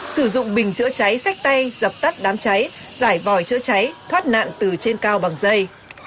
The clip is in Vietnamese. sử dụng bình chữa cháy sách tay dập tắt đám cháy giải vòi chữa cháy thoát nạn từ trên cao bằng dây